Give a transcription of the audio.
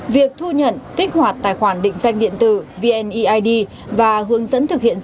việc thu nhận kích hoạt tài khoản định danh điện tử vneid và hướng dẫn thực hiện dự án